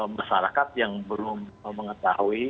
masyarakat yang belum mengetahui